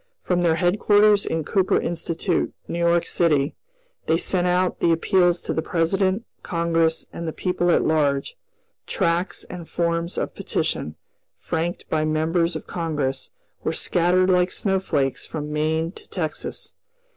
From their headquarters in Cooper Institute, New York city, they sent out the appeals to the President, Congress, and the people at large; tracts and forms of petition, franked by members of Congress, were scattered like snowflakes from Maine to Texas.